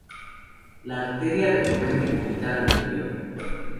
La arteria Recurrente Cubital Anterior.